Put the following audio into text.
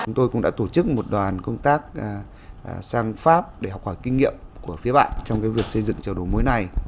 chúng tôi cũng đã tổ chức một đoàn công tác sang pháp để học hỏi kinh nghiệm của phía bạn trong việc xây dựng chợ đầu mối này